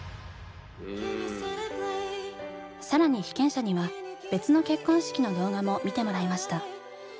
更に被験者には別の結婚式の動画も見てもらいました。